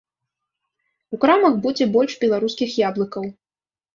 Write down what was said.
У крамах будзе больш беларускіх яблыкаў.